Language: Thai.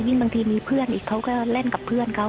บางทีมีเพื่อนอีกเขาก็เล่นกับเพื่อนเขา